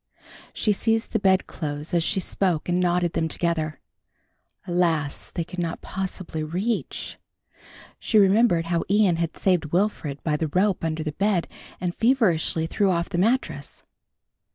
She seized the bedclothes as she spoke and knotted them together. Alas, they could not possibly reach. She remembered how Ian had saved Wilfred by the rope under the bed and feverishly threw off the mattrass.